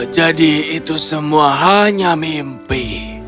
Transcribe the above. jadi itu semua hanya mimpi